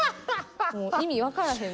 もう意味分からへん